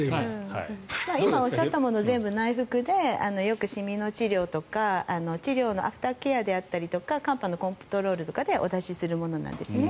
今、おっしゃったもの全部内服でよく、シミの治療とか治療のアフターケアであったり肝斑のコントロールとかでお出しするものなんですね。